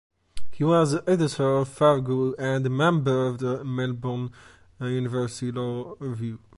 He was Editor of Farrago and a Member of the Melbourne University Law Review.